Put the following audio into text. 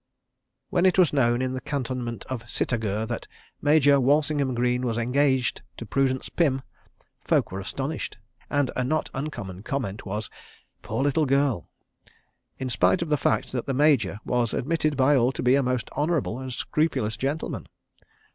When it was known in the cantonment of Sitagur that Major Walsingham Greene was engaged to Prudence Pym, folk were astonished, and a not uncommon comment was "Poor little girl!" in spite of the fact that the Major was admitted by all to be a most honourable and scrupulous gentleman.